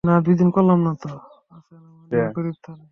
আসেন আমাদের গরীব খানায়।